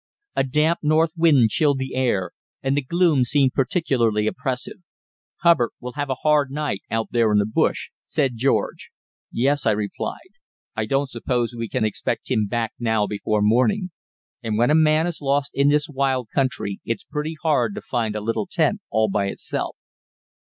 A damp north wind chilled the air, and the gloom seemed particularly oppressive. "Hubbard will have a hard night out there in the bush," said George. "Yes," I replied; "I don't suppose we can expect him back now before morning; and when a man is lost in this wild country it's pretty hard to find a little tent all by itself."